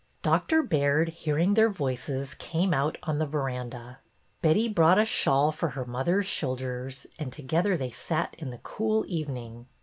Doctor Baird, hearing their voices, came out on the veranda. Betty brought a shawl for her mother's shoulders, and together they sat in the cooling evening.